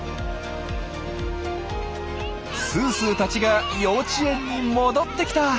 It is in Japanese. すーすーたちが幼稚園に戻ってきた！